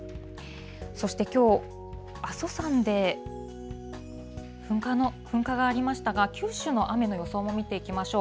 そしてきょう、阿蘇山で噴火がありましたが、九州の雨の予想も見てみましょう。